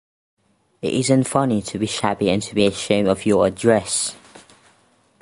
It isn't funny to be shabby and to be ashamed of your address.